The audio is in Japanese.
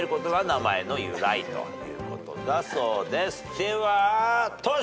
ではトシ。